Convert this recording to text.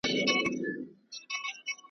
پوهېدی چي نور د نوي کور مقیم سو .